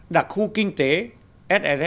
đặc khu kinh tế là nơi mà một quốc gia có thể thử nghiệm